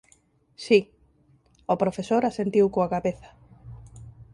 —Si —O profesor asentiu coa cabeza—.